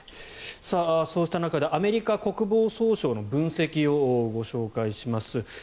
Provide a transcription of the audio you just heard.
そうした中でアメリカ国防総省の分析をご紹介します。